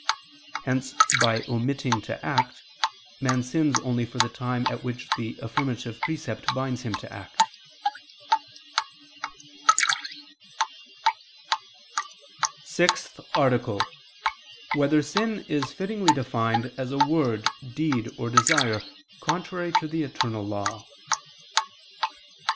Hence, by omitting to act, a man sins only for the time at which the affirmative precept binds him to act. ________________________ SIXTH ARTICLE [I II, Q. 71, Art. 6] Whether Sin Is Fittingly Defined As a Word, Deed, or Desire Contrary to the Eternal Law?